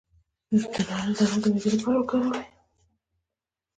د نارنج دانه د معدې لپاره وکاروئ